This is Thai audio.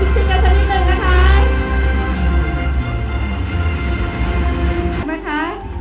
ชิดกันสักนิดนึงนะคะ